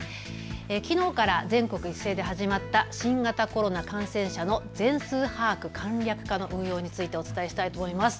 きのうから全国一斉で始まった新型コロナ感染者の全数把握簡略化の運用についてお伝えしたいと思います。